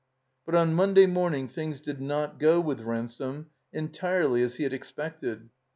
But on Monday morning things did not go with Ransome entirely as he had expected.